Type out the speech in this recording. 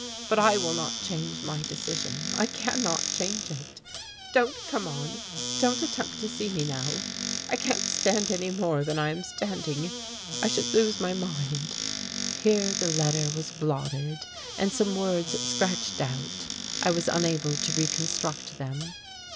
But I will not change my decision, I cannot change it. Don't come on, don't attempt to see me now. I can't stand any more than I am standing, I should lose my mind." Here the letter was blotted, and some words scratched out. I was unable to reconstruct them.